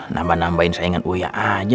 nambah nambahin sayangan uya aja